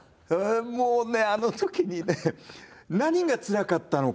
もうねあのときにね何がつらかったのかって。